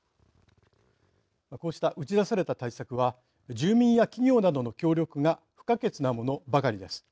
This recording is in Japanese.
こうした打ち出された対策は住民や企業などの協力が不可欠なものばかりです。